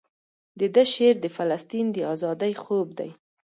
دده شعر د فلسطین د ازادۍ خوب دی.